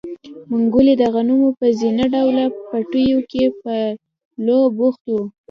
منګلی د غنمو په زينه ډوله پټيو کې په لو بوخت و.